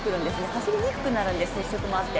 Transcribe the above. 走りにくくなるんです、接触もあって。